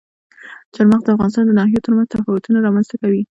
چار مغز د افغانستان د ناحیو ترمنځ تفاوتونه رامنځ ته کوي.